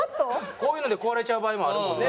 こういうので壊れちゃう場合もあるもんね。